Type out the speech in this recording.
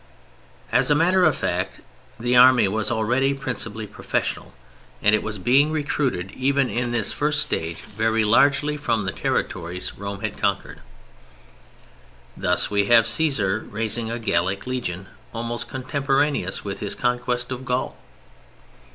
] As a matter of fact the Army was already principally professional, and it was being recruited even in this first stage very largely from the territories Rome had conquered. Thus we have Cæsar raising a Gallic legion almost contemporaneous with his conquest of Gaul.